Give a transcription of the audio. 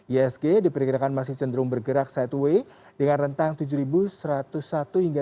isg diperkirakan masih cenderung bergerak set away dengan rentang tujuh ribu satu ratus satu hingga tujuh ribu dua ratus tujuh puluh tujuh